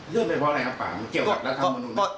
เลื่อนเป็นเพราะอะไรครับฝ่ามันเกี่ยวกับรัฐมนุน